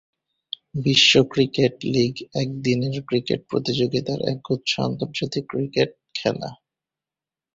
বিশ্ব cricket league একদিনের cricket প্রতিযোগিতার একগুচ্ছ আন্তর্জাতিক ক্রিকেট খেলা।